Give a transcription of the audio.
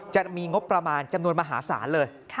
จะมีงบประมาณจำนวนมหาศาลเลย